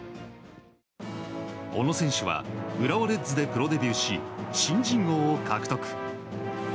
小野選手は浦和レッズでプロデビューし新人王を獲得。